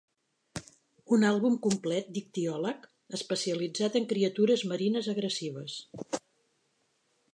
Un àlbum complet d'ictiòleg especialitzat en criatures marines agressives.